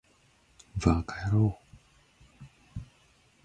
ヴぁかやろう